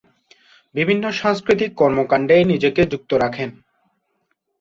বিভিন্ন সাংস্কৃতিক কর্মকান্ডে নিজেকে যুক্ত রাখেন।